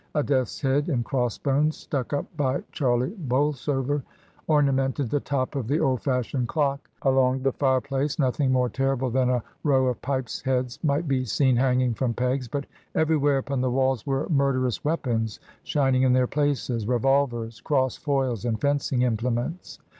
A death's head and cross bones (stuck up by Charlie Bolsover) ornamented the top of the old fashioned clock. Along the fireplace nothing more terrible than a row of pipes' heads might be seen hanging from pegs, but everywhere upon the walls were murderous weapons shining in their places, revolvers, crossed foils and fencing implements.